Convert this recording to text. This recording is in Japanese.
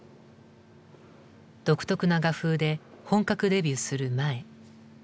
独特な画風で本格デビューする前。